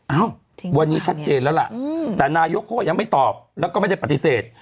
เอ้าวันนี้ชัดเจนแล้วล่ะแต่นายกเขาก็ยังไม่ตอบแล้วก็ไม่ได้ปฏิเสธ